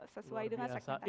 sesuai dengan segmentasi